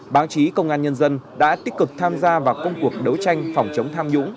báo chí công an nhân dân đã tích cực tham gia vào công cuộc đấu tranh phòng chống tham nhũng